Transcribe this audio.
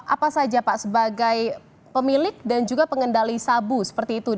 apa saja pak sebagai pemilik dan juga pengendali sabu seperti itu